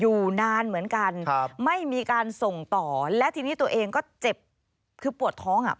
อยู่นานเหมือนกันครับไม่มีการส่งต่อและทีนี้ตัวเองก็เจ็บคือปวดท้องอ่ะ